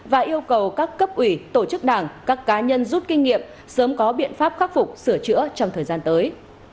và yêu cầu các cấp ủy tổ chức đảng các cá nhân rút kinh nghiệm sớm có biện pháp khắc phục sửa chữa trong thời gian tới